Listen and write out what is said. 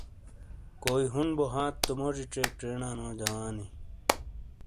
کوئی ہون بو تو موجی چیک چینا نو جوانی